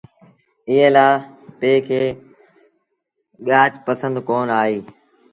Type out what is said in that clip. ايئي لآ پي کي ڳآج پنسند ڪونا آئيٚ۔